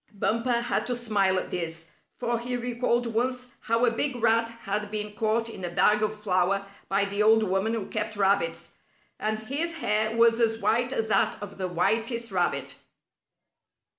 Bumper had to smile at this, for he recalled once how a big rat had been caught in a bag of flour by the old woman who kept rabbits, and his hair was as white as that of the whitest rabbit.